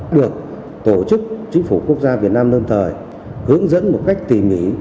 được tổ chức chính phủ quốc gia việt nam lâm thời hướng dẫn một cách tỉ mỉ